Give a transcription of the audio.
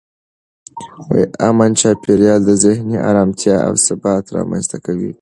امن چاپېریال ذهني ارامتیا او ثبات رامنځته کوي.